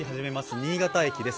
新潟駅です。